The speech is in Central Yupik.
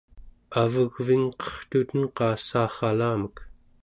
avegvingqertuten-qaa saarralamek?